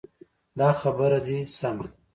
دا خبره دې سمه ده.